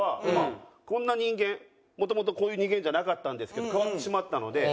もともとこういう人間じゃなかったんですけど変わってしまったので。